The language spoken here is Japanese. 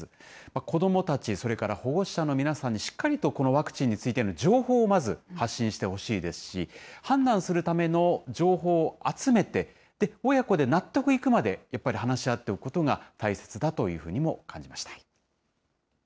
子どもたち、それから保護者の皆さんに、しっかりとこのワクチンについての情報をまず発信してほしいですし、判断するための情報を集めて、親子で納得いくまで、やっぱり話し合っておくことが大切だというふうにも感じました。